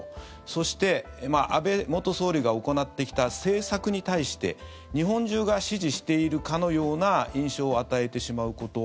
そして、安倍元総理が行ってきた政策に対して日本中が支持しているかのような印象を与えてしまうこと。